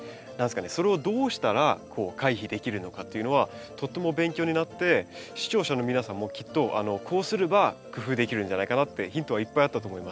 それをどうしたら回避できるのかというのはとっても勉強になって視聴者の皆さんもきっとこうすれば工夫できるんじゃないかなってヒントはいっぱいあったと思います。